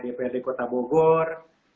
dprd kota bogor